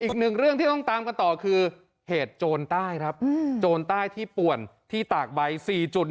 อีกหนึ่งเรื่องที่ต้องตามกันต่อคือเหตุโจรใต้ครับโจรใต้ที่ป่วนที่ตากใบ๔จุด